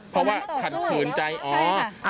พอว่ากัดห่วงใจใช่ค่ะ